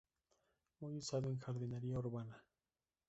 Muy usado en jardinería urbana.